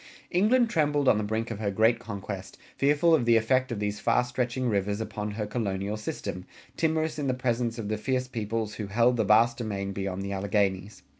England trembled on the brink of her great conquest, fearful of the effect of these far stretching rivers upon her colonial system, timorous in the presence of the fierce peoples who held the vast domain beyond the Alleghanies.